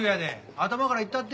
頭からいったって。